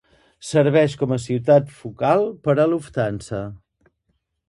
Serveix com a ciutat focal per a Lufthansa.